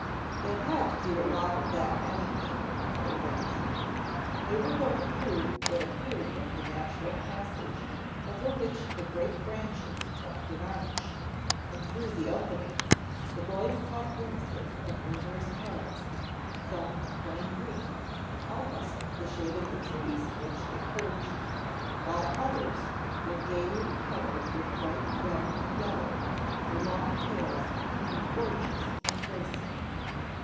They have had to do a lot of that anyway," Howard answered. They were going through what appeared like a natural passage over which the great branches formed an arch, and through the openings, the boys caught glimpses of numerous parrots, some plain green, almost the shade of the trees in which they perched, while others were gaily colored with bright red and yellow, their long tails hanging gorgeous and graceful.